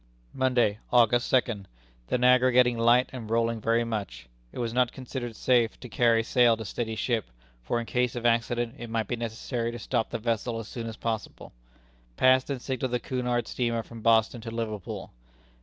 "Monday, August second. The Niagara getting light, and rolling very much; it was not considered safe to carry sail to steady ship, for in case of accident it might be necessary to stop the vessel as soon as possible. Passed and signalled the Cunard steamer from Boston to Liverpool."